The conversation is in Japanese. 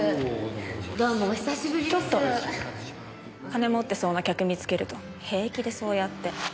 金持ってそうな客見つけると平気でそうやって。